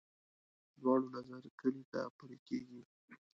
دواړو نظر کلي ته پلی کېږي.